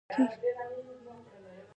د ځګر سیروسس د الکولو له امله کېږي.